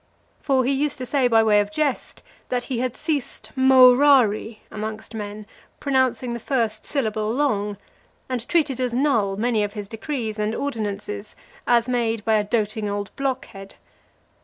For he used to say by way of jest, that he had ceased morari amongst men, pronouncing the first syllable long; and treated as null many of his decrees and ordinances, as made by a doting old blockhead.